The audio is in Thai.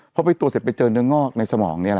เพราะไปตรวจเสร็จไปเจอเนื้อง่องในสมองนี้แหละ